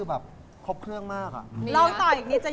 เราชอบผู้ชายโอ้ไม่ใช่